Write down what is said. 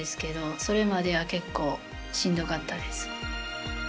それまでは結構しんどかったです。